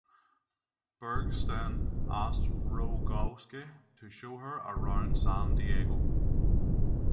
Bergsten asked Rogowski to show her around San Diego.